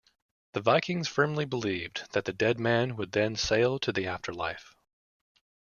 The Vikings firmly believed that the dead man would then sail to the after-life.